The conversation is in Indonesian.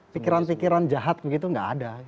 pikiran pikiran jahat begitu nggak ada